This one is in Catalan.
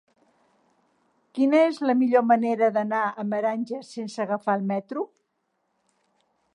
Quina és la millor manera d'anar a Meranges sense agafar el metro?